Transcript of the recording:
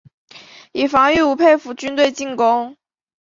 以防御吴佩孚军队进攻。